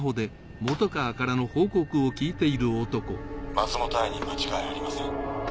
松本藍に間違いありません。